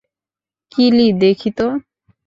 কিলি, দেখি তো।